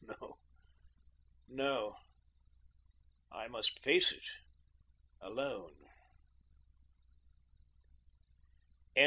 No, no, I must face it alone.